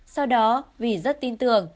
sau đó vì rất tin tưởng